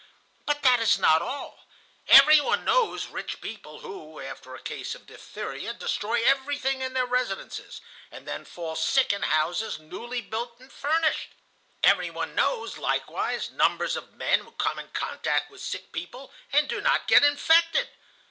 "But that is not all. Every one knows rich people who, after a case of diphtheria, destroy everything in their residences, and then fall sick in houses newly built and furnished. Every one knows, likewise, numbers of men who come in contact with sick people and do not get infected.